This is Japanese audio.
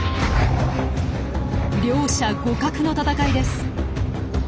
両者互角の戦いです。